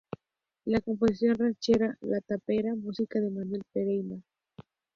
La composición ranchera "La tapera", música de Manuel Pereira.